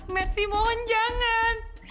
mersi mohon jangan